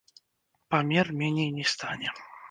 Памер меней не стане.